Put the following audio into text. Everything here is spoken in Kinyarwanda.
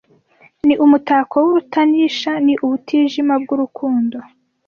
Ni umutako w’urutanisha Ni ubutijima bw’urukundo